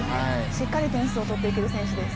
しっかり点数を取っていける選手です。